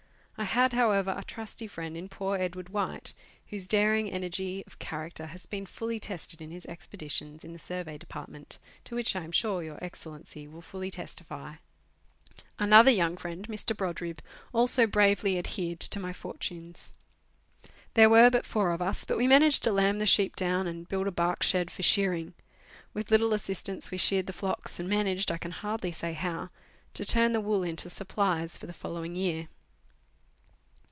I had, however, a trusty friend in poor Edward White, whose daring energy of character has been fully tested in his expeditious in the Survey Department, to which I am sure Your Excellency will fully testify. Another 248 Letters from Victorian Pioneers. young friend, Mr. Brodribb, also bravely adhered to my fortunes. There were but four of us, but we managed to lamb the sheep down and to build a bark shed for shearing. With little assistance, we sheared the flocks, and managed, I can hardly say how, to turn the wool into supplies for the following year.